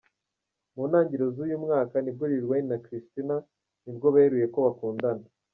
Mu ntangiriro z’uyu mwaka, nibwo Lil Wayne na Christina nibwo beruye ko bakundana.